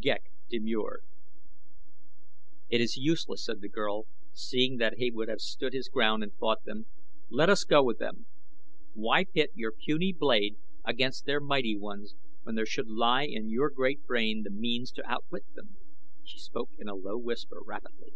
Ghek demurred. "It is useless," said the girl, seeing that he would have stood his ground and fought them. "Let us go with them. Why pit your puny blade against their mighty ones when there should lie in your great brain the means to outwit them?" She spoke in a low whisper, rapidly.